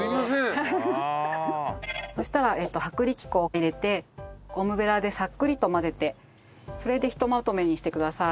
そしたら薄力粉を入れてゴムベラでさっくりと混ぜてそれでひとまとめにしてください。